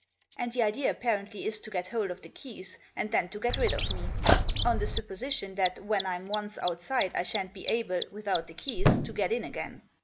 And the idea apparently is to get hold of the keys, and then to get rid of me ; on the supposition that when I'm ones outside I shan't be able, without the keys, to get in again.